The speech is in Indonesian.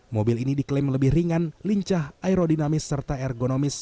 mobil ini diklaim lebih ringan lincah aerodinamis serta ergonomis